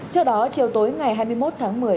trước đó chiều tối ngày hai mươi một tháng một mươi